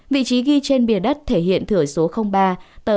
vị trí ghi trên bìa đất thể hiện thửa số ba